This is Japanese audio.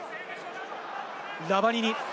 ラバニニ。